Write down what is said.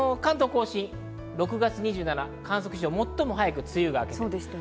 関東甲信６月２７日、観測史上もっとも早く梅雨が明けました。